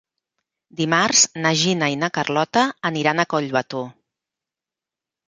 Dimarts na Gina i na Carlota aniran a Collbató.